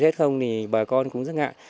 tiêu diệt hết không thì bà con cũng rất ngại